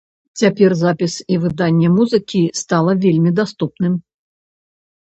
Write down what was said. Цяпер запіс і выдаванне музыкі стала вельмі даступным.